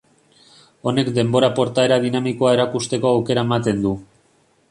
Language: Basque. Honek denbora portaera dinamikoa erakusteko aukera ematen du.